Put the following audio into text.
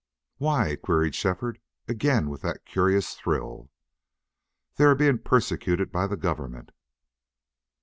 "Why?" queried Shefford, again with that curious thrill. "They are being persecuted by the government."